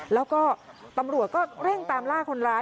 แล้วก็ตำรวจก็เร่งตามล่าคนร้าย